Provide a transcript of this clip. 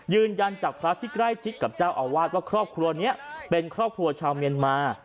ยืนยันจากพระที่ใกล้ชิดกับเจ้าอาวาสว่าครอบครัวนี้เป็นครอบครัวชาวเมียนมา